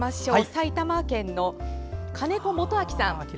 埼玉県の金子元昭さん。